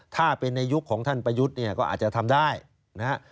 ถ้าเป็นในยุคของท่านประยุทธ์เนี่ยก็อาจจะทำได้นะฮะ